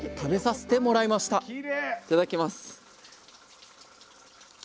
いただきます。